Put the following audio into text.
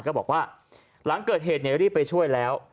ก็บอกว่าหลังเกิดเหตุรีบไปช่วยแล้ว